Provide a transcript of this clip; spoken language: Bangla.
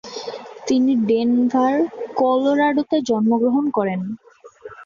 তিনি ডেনভার, কলোরাডো তে জন্ম গ্রহণ করেন।